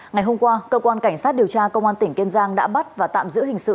ngày hôm qua cơ quan cảnh sát điều tra công an tỉnh kiên giang đã bắt và tạm giữ hình sự